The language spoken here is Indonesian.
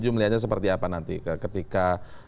melihatnya seperti apa nanti ketika